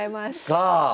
さあ。